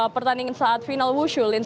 pertandingan saat final wushu